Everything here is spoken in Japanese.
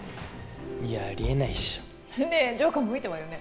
いやありえないっしょねえジョーカーも見たわよね